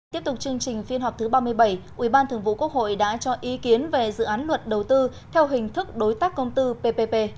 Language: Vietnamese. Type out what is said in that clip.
tiếp tục chương trình phiên họp thứ ba mươi bảy ubnd đã cho ý kiến về dự án luật đầu tư theo hình thức đối tác công tư ppp